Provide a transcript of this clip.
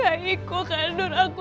mama gak menggantikan vega